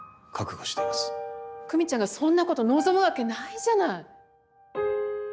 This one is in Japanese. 久美ちゃんがそんなこと望むわけないじゃない！